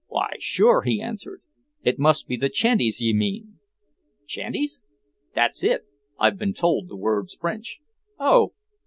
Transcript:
Why sure!" he answered. "It must be the chanties ye mean." "Chanties?" "That's it. I've been told the word's French." "Oh!